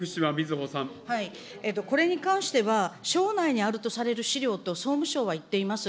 これに関しては、省内にあるとされる資料と、総務省は言っています。